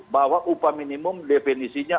bahwa upah minimum definisinya